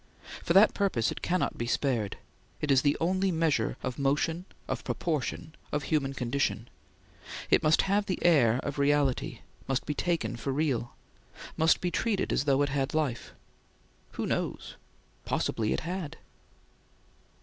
For that purpose it cannot be spared; it is the only measure of motion, of proportion, of human condition; it must have the air of reality; must be taken for real; must be treated as though it had life. Who knows? Possibly it had!